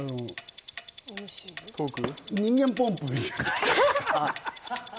人間ポンプ？